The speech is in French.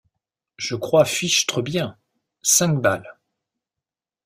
Je crois fichtre bien! cinq balles !